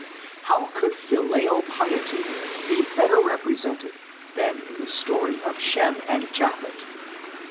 How could filial piety be better represented than in the story of Shem and Japhet?